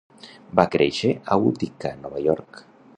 Va créixer a Utica, Nova York.